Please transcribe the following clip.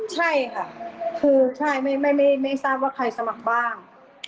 ใช่ค่ะคือใช่ไม่ทราบว่าใครสมัครบ้าง